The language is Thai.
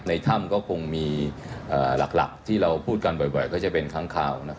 ในถ้ำก็คงมีหลักที่เราพูดกันบ่อยก็จะเป็นค้างข่าว